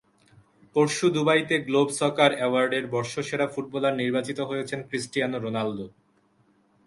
পরশু দুবাইতে Globe Soccer অ্যাওয়ার্ডের বর্ষসেরা ফুটবলার নির্বাচিত হয়েছেন ক্রিস্টিয়ানো রোনালদো।